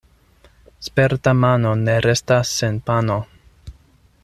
Sperta mano ne restas sen pano.